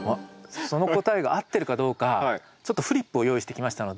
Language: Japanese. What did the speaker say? その答えが合ってるかどうかちょっとフリップを用意してきましたので。